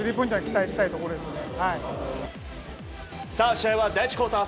試合は第１クオーター